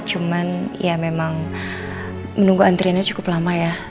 cuman ya memang menunggu antriannya cukup lama ya